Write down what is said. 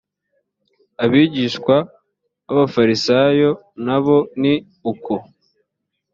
abigishwa b abafarisayo na bo ni uko